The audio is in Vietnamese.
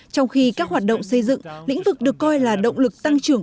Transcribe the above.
trong khi các hoạt động xây dựng lĩnh vực được coi là động lực tăng trưởng